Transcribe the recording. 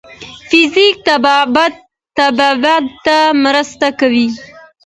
فزیک طبابت ته مرسته کوي.